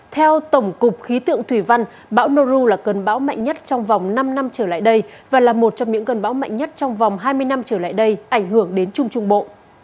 theo tổng cục khí tượng thủy văn bão noru là cơn bão mạnh nhất trong vòng năm năm trở lại đây và là một trong những cơn bão mạnh nhất trong vòng hai mươi năm trở lại đây ảnh hưởng đến trung trung bộ